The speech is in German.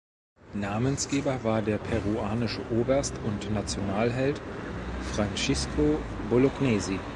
Namensgeber war der peruanische Oberst und Nationalheld Francisco Bolognesi.